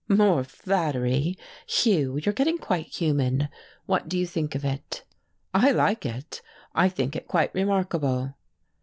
"More flattery! Hugh, you're getting quite human. What do you think of it?" "I like it. I think it quite remarkable."